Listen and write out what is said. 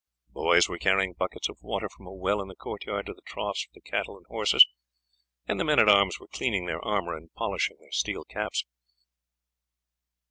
Boys were carrying buckets of water from a well in the court yard to the troughs for the cattle and horses, and the men at arms were cleaning their armour and polishing their steel caps.